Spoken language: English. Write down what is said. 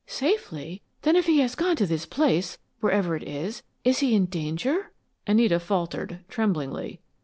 "Safely? Then if he has gone to this place, wherever it is, he is in danger?" Anita faltered, tremblingly.